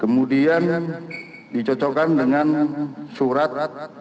kemudian dicocokkan dengan surat